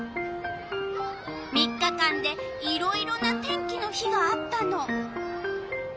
３日間でいろいろな天気の日があったの。